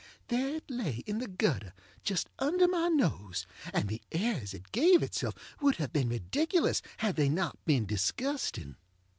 There it lay in the gutter just under my nose, and the airs it gave itself would have been ridiculous had they not been disgusting.